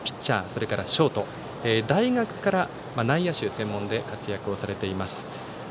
それからショート大学から内野手専門で活躍をされています。